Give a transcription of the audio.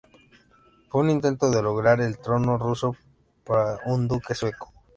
Fue un intento de lograr el trono ruso para un duque sueco.